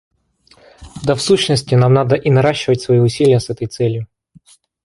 Да в сущности, нам надо и наращивать свои усилия с этой целью.